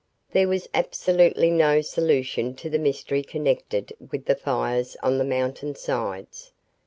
There was absolutely no solution to the mystery connected with the fires on the mountain sides.